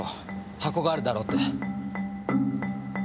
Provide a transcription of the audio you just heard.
箱があるだろう」って。